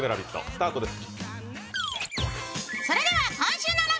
スタートです。